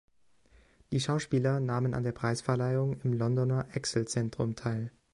Die Schauspieler nahmen an der Preisverleihung im Londoner Excel-Zentrum teil.